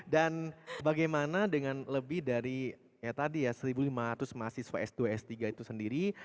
dan bagaimana dengan lebih dari ya tadi ya seribu lima ratus mahasiswa s dua s tiga itu sendiri